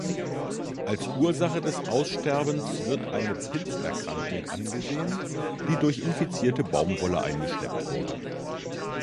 Als Ursache des Aussterbens wird eine Pilzerkrankung angesehen, die durch infizierte Baumwolle eingeschleppt wurde.